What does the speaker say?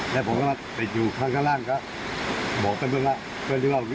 แล้วก็คงอยู่ซ้านข้างล่างครับ